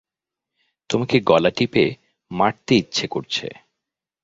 তোমাকে গলা টিপে মারতে ইচ্ছে করছে।